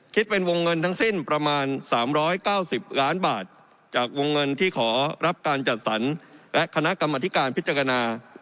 เป็นวงเงินทั้งสิ้นประมาณ๓๙๐ล้านบาทจากวงเงินที่ขอรับการจัดสรรและคณะกรรมธิการพิจารณา